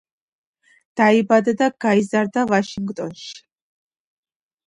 დაიბადა და გაიზარდა ვაშინგტონში.